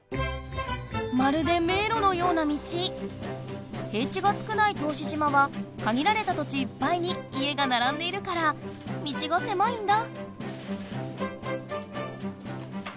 まるでめいろのような道。へいちが少ない答志島はかぎられた土地いっぱいに家がならんでいるから道がせまいんだ。